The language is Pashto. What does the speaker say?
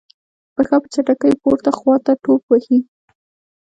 پښه په چټکۍ پورته خواته ټوپ وهي.